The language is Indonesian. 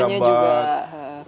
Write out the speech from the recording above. dan bunganya juga